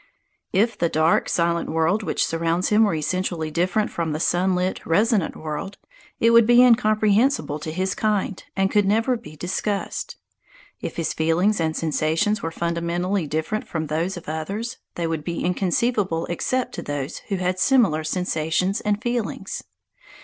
If the dark, silent world which surrounds him were essentially different from the sunlit, resonant world, it would be incomprehensible to his kind, and could never be discussed. If his feelings and sensations were fundamentally different from those of others, they would be inconceivable except to those who had similar sensations and feelings.